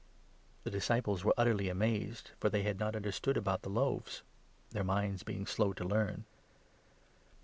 51 The disciples were utterly amazed, for they had not under 52 stood about the loaves, their minds being slow to learn.